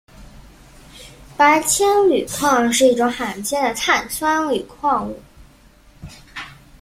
白铅铝矿是一种罕见的碳酸铝矿物。